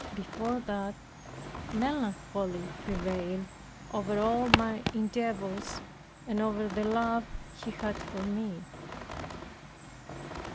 Before that, melancholy prevailed over all my endeavors, and over the love he had for me.